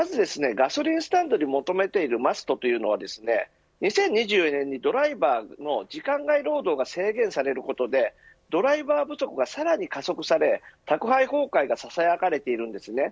ガソリンスタンドに求められているマストというのは２０２４年にドライバーの時間外労働が制限されることでドライバー不足がさらに加速され宅配崩壊がささやかれているんですね。